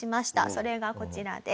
それがこちらです。